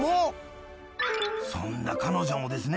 そんな彼女もですね